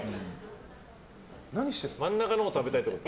真ん中を食べたいってこと？